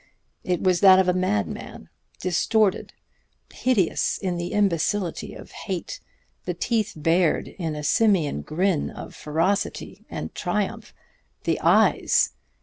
It was that of a madman, distorted, hideous in the imbecility of hate, the teeth bared in a simian grin of ferocity and triumph, the eyes